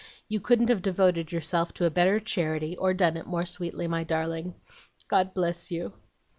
You couldn't have devoted yourself to a better charity, or done it more sweetly, my darling. God bless you!'"